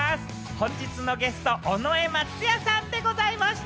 本日のゲスト、尾上松也さんでございました。